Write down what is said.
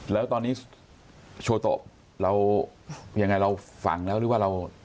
แล้วตอนนี้โชโตเรายังไงเราฝังแล้วหรือว่าเรา